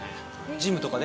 ジムとかで？